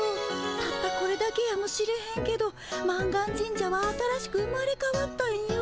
たったこれだけやもしれへんけど満願神社は新しく生まれかわったんよ。